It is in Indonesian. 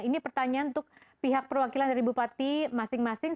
ini pertanyaan untuk pihak perwakilan dari bupati masing masing